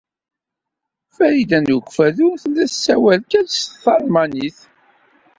Farida n Ukeffadu tella tessawal kan s talmanit.